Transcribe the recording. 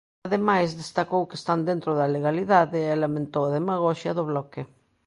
Ademais, destacou que están dentro da legalidade e lamentou a "demagoxia" do Bloque.